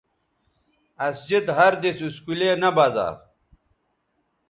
اسجد ہر دِس اسکولے نہ بزا